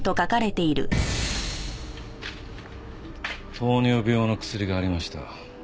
糖尿病の薬がありました。